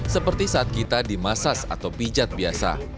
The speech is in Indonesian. seperti saat kita dimasas atau pijat biasa